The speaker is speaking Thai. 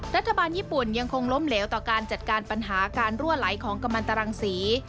รัฐบาลญี่ปุ่นยังคงล้มเหลวต่อการจัดการปัญหาการรั่วไหลของกำลังตรังศรี